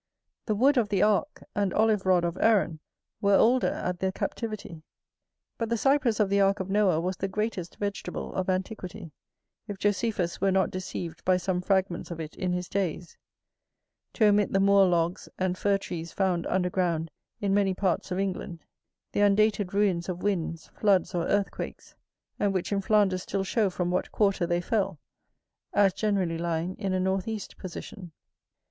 The wood of the ark, and olive rod of Aaron, were older at the captivity; but the cypress of the ark of Noah was the greatest vegetable of antiquity, if Josephus were not deceived by some fragments of it in his days: to omit the moor logs and fir trees found underground in many parts of England; the undated ruins of winds, floods, or earthquakes, and which in Flanders still show from what quarter they fell, as generally lying in a north east position.